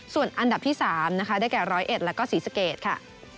ส่วนอันดับที่๓ได้แก่รอยเอ็ดและก็สีสเกดค่ะ